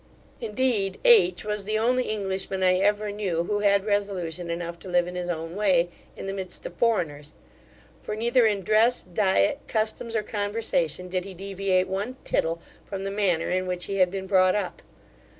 Indeed H was the only Englishman I ever knew, who had resolution enough to live in his own way, in the midst of foreigners; for, neither in dress, diet, customs, or conversation, did he deviate one tittle from the manner in which he had been brought up.